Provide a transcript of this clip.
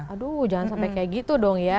aduh jangan sampai kayak gitu dong ya